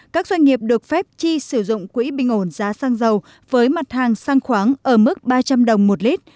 các doanh nghiệp được phép chi sử dụng quỹ bình ổn giá xăng dầu với mặt hàng xăng khoáng ở mức ba trăm linh đồng một lít